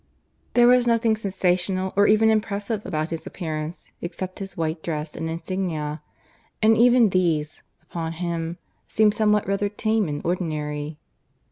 There was nothing sensational or even impressive about his appearance, except his white dress and insignia; and even these, upon him, seemed somehow rather tame and ordinary.